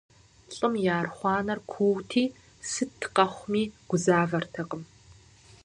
ЛӀым и архъуанэр куути, сыт къэхъуми гузавэртэкъым.